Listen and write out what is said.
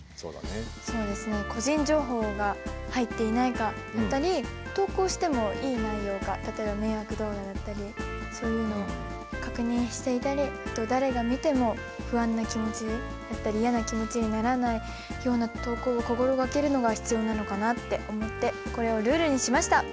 そうですね個人情報が入っていないかだったり投稿してもいい内容か例えば迷惑動画だったりそういうのを確認したり誰が見ても不安な気持ちだったりやな気持ちにならないような投稿を心がけるのが必要なのかなって思ってこれをルールにしました。